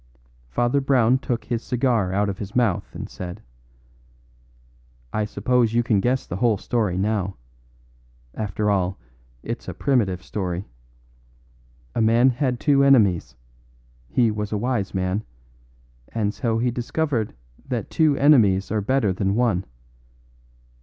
Father Brown took his cigar out of his mouth and said: "I suppose you can guess the whole story now? After all, it's a primitive story. A man had two enemies. He was a wise man. And so he discovered that two enemies are better than one."